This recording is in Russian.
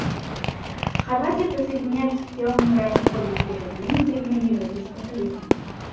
Хорватия присоединяется к сделанному ранее в ходе текущих прений заявлению Европейского союза.